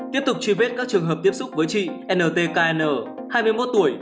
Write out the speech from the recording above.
tiếp tục truy vết các trường hợp tiếp xúc với chị ntkn hai mươi một tuổi